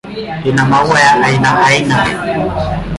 Ina maua ya aina aina.